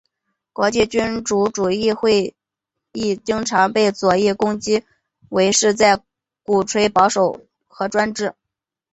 国际君主主义者会议经常被左翼攻击为是在鼓吹保守和专制。